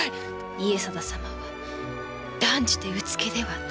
家定様は断じてうつけではない。